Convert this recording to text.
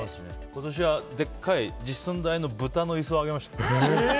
今年はでっかい実寸大のブタの椅子をあげました。